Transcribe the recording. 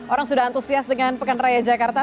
orang sudah antusias dengan pekan raya jakarta